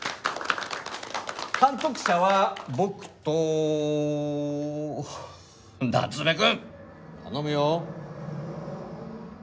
監督者は僕と夏目くん！頼むよ。